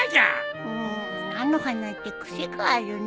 うん菜の花って癖があるね